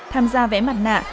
tham gia vẽ mặt nạ